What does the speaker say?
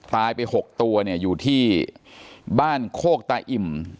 ตายไป๖ตัวเนี่ยอยู่ที่บ้านโคกตาอิ่ม